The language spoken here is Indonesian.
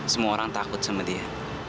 semua orang takut sama dia